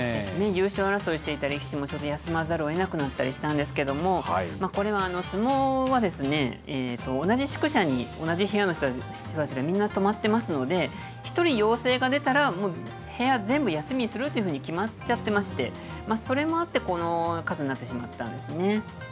優勝争いをしていた力士も休まざるをえなくなったりしたんですけれども、相撲は同じ宿舎に同じ部屋の人たちがみんな泊まっていますので、１人陽性が出たら、もう部屋全部休みにするというふうに決まっちゃっていまして、それもあって、この数になってしまったんですね。